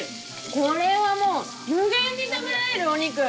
これはもう無限に食べられるお肉！